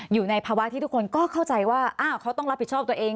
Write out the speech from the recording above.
อยู่ในภาวะที่ทุกคนก็เข้าใจว่าอ้าวเขาต้องรับผิดชอบตัวเอง